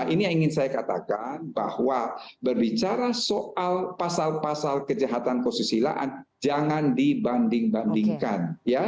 ini yang ingin saya katakan bahwa berbicara soal pasal pasal kejahatan kesusilaan jangan dibanding bandingkan